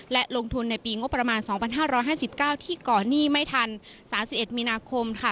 และลงทุนในปีงบประมาณ๒๕๕๙ที่ก่อนหนี้ไม่ทัน๓๑มีนาคมค่ะ